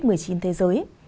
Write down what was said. covid một mươi chín thế giới